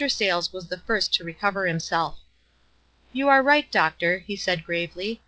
Sayles was the first to recover himself. "You are right, doctor, 5 ' he said, gravely.